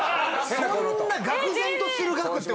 そんながく然とする額。